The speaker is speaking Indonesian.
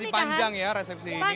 karena masih panjang ya resepsi ini